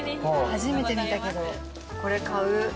初めて見たけどこれ買う。